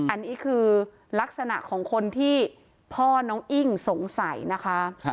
อันนี้คือลักษณะของคนที่พ่อน้องอิ้งสงสัยนะคะ